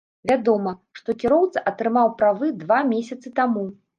Вядома, што кіроўца атрымаў правы два месяцы таму.